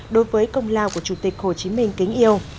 đối với công lao của chủ tịch hồ chí minh kính yêu